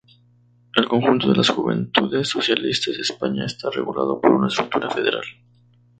El conjunto de las "Juventudes Socialistas de España" está regulado por una estructura federal.